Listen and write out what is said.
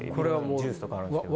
ジュースとかあるんですけど。